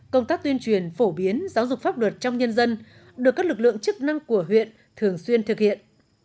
công tác tuyên truyền phổ biến giáo dục pháp luật trong nhân dân được các lực lượng chức năng của huyện thường xuyên thực hiện